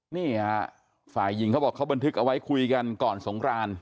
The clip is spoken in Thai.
นี่ฮะฝ่ายหญิงเขาบอกเขาบันทึกเอาไว้คุยกันก่อนสงคราน